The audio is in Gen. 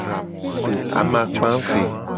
Amakpa eve.